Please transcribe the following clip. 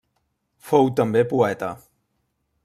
Fou també poeta.